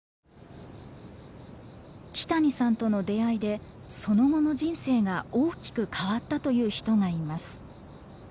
木谷さんとの出会いでその後の人生が大きく変わったという人がいます。